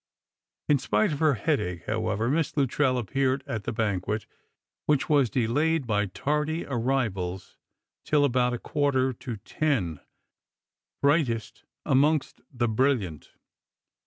In spite of her headache, however. Miss Luttrell appeared at the banquet — which was delayed by tardy arrivals till about a quarter to ten— brightest amongst the brilliant.